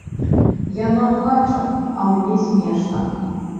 Яна плача, а мне смешна.